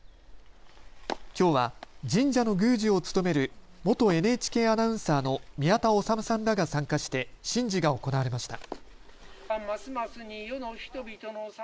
きょうは神社の宮司を務める元ＮＨＫアナウンサーの宮田修さんらが参加して神事が行われました。